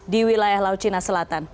di wilayah laut cina selatan